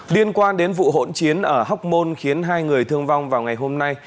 liên quan đến vụ hỗn chiến ở hóc môn khiến hai người thương vong vào ngày hôm nay